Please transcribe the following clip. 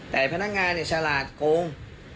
แต่พนักงานเนี่ยฉลาดโกง